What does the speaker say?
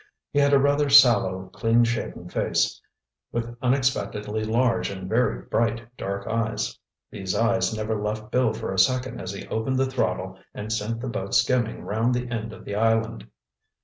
He had a rather sallow, clean shaven face, with unexpectedly large and very bright dark eyes. These eyes never left Bill for a second as he opened the throttle and sent the boat skimming round the end of the island.